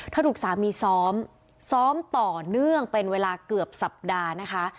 ถูกสามีซ้อมซ้อมต่อเนื่องเป็นเวลาเกือบสัปดาห์นะคะ